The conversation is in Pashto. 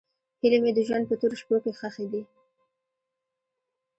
هیلې مې د ژوند په تورو شپو کې ښخې دي.